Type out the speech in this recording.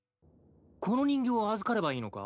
この人形を預かればいいのか？